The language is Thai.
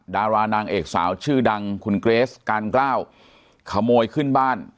ดารานางเอกสาวชื่อดังคุณเกรสการกล้าขโมยขึ้นบ้าน